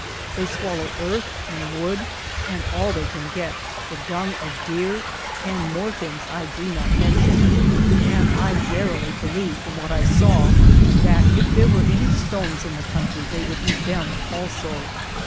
They swallow earth and wood, and all they can get, the dung of deer and more things I do not men tion ; and I verily believe, from what I saw, that if there were any stones in the country they would eat them also.